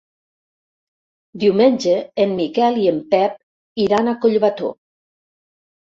Diumenge en Miquel i en Pep iran a Collbató.